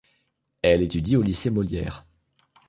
Elle étudie au lycée Molière.